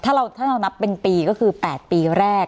ถ้าเรานับเป็นปีก็คือ๘ปีแรก